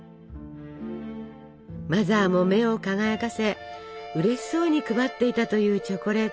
マザーも目を輝かせうれしそうに配っていたというチョコレート。